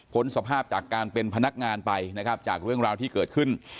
สภาพจากการเป็นพนักงานไปนะครับจากเรื่องราวที่เกิดขึ้น